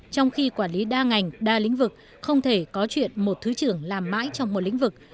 trong khi quản lý đa ngành đa lĩnh vực không thể có chuyện một thứ trưởng làm mãi trong một lĩnh vực